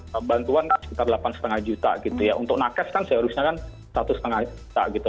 pembantuan kan sekitar delapan lima juta gitu ya untuk nakes kan seharusnya kan satu lima juta gitu